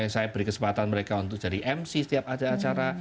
saya beri kesempatan mereka untuk jadi mc setiap ada acara